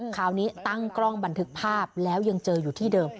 คราวนี้ตั้งกล้องบันทึกภาพแล้วยังเจออยู่ที่เดิม